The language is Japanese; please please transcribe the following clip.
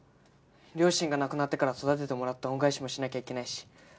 両親が亡くなってから育ててもらった恩返しもしなきゃいけないし。